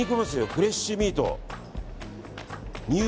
フレッシュミート。